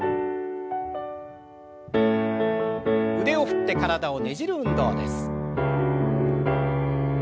腕を振って体をねじる運動です。